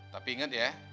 tapi inget ya